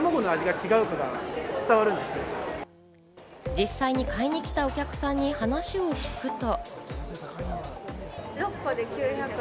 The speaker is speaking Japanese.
実際に買いに来たお客さんに話を聞くと。